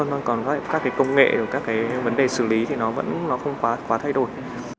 còn các cái công nghệ và các cái vấn đề xử lý thì nó vẫn không quá thay đổi